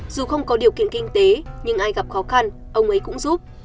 dù không có điều kiện kinh tế nhưng ai gặp khó khăn ông ấy cũng giúp